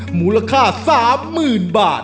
หมูราค่า๓หมื่นบาท